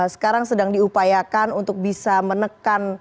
sekarang sedang diupayakan untuk bisa menekan